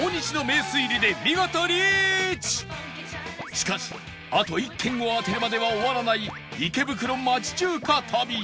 しかしあと１軒を当てるまでは終わらない池袋町中華旅